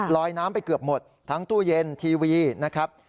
ลอยน้ำไปเกือบหมดทั้งตู้เย็นทีวีนะครับ